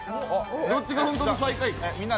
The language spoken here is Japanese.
どっちが本当の最下位か。